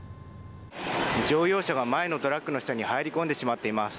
乗用車が前のトラックの下に入り込んでしまっています。